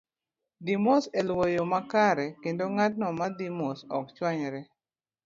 Dhi mos e luwo yo makare kendo ng'atno ma dhi mos ok chwamyre.